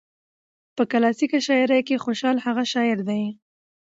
په کلاسيکه شاعرۍ کې خوشال هغه شاعر دى